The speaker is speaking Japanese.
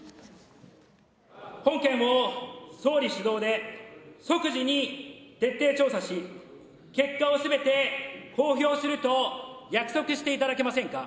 本件を総理主導で、即時に徹底調査し、結果をすべて公表すると約束していただけませんか。